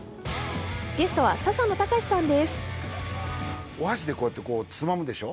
ゲストは笹野高史さんです。